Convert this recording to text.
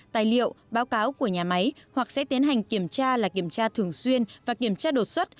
tài liệu báo cáo của nhà máy hoặc sẽ tiến hành kiểm tra là kiểm tra thường xuyên và kiểm tra đột xuất